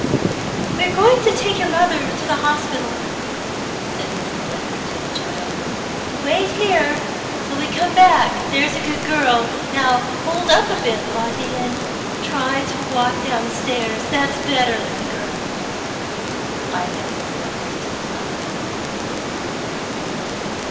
"We're going to take your mother to the hospital," said Mrs. Ledward to the child. "You wait here till we come back, there's a good girl. Now, hold up a bit, Lotty; try and walk downstairs. That's better, my girl." Ida was left alone.